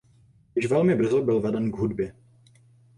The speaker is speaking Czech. Již velmi brzo byl veden k hudbě.